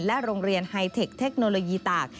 โรงเรียนไฮเทคเทคโนโลยีตาก